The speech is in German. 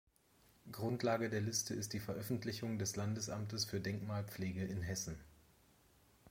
Grundlage der Liste ist die Veröffentlichung des Landesamtes für Denkmalpflege in Hessen.